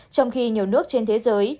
trong khi nhiều nước trên thế giới